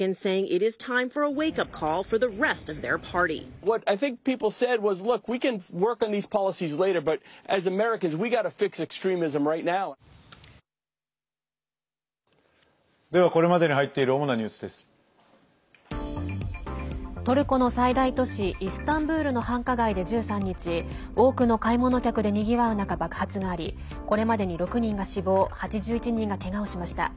イスタンブールの繁華街で１３日多くの買い物客でにぎわう中爆発がありこれまでに６人が死亡８１人がけがをしました。